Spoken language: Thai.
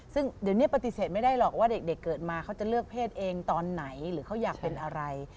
ซึ่งเดี๋ยวนี้ปฏิเสธไม่ได้หรอกว่าเด็กเกิดมาเขาจะเลือกเพศเองตอนไหนหรือเขาอยากเป็นอะไร